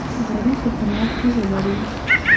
غریب د قناعت ژبه لري